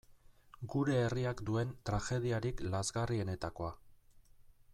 Gure herriak duen tragediarik lazgarrienetakoa.